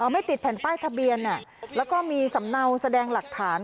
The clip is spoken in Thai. ไม่ติดแผ่นป้ายทะเบียนแล้วก็มีสำเนาแสดงหลักฐาน